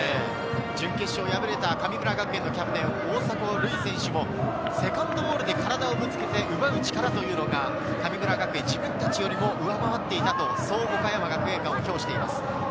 準決勝敗れた神村学園のキャプテン・大迫塁選手も、セカンドボールで体をぶつけて奪う力というのが神村学園、自分たちよりも上回っていたと岡山学芸館を評しています。